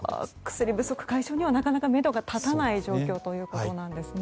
薬不足解消にはなかなかめどが立たない状況なんですね。